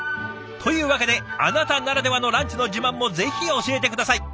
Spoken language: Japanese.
というわけであなたならではのランチの自慢もぜひ教えて下さい。